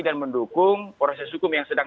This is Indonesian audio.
dan mendukung proses hukum yang sedang